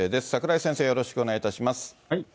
櫻井先生、よろしくお願いします。